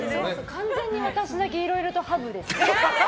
完全に私だけいろいろとハブですね。